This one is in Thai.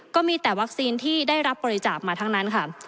ก็มีแต่วัคซีนที่ได้รับบริจาคมาทั้งนั้นค่ะ